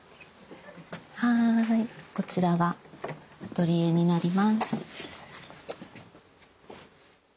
はいこちらがアトリエになります。